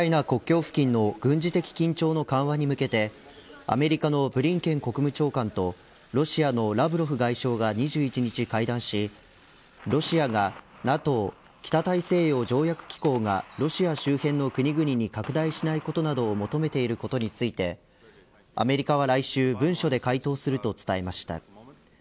国境付近の軍事的緊張の緩和に向けてアメリカのブリンケン国務長官とロシアのラブロフ外相はが２１日会談しロシアが、ＮＡＴＯ北大西洋条約機構がロシア周辺の国々に拡大しないことなどを求めていることについてアメリカは来週文書で回答すると伝えました。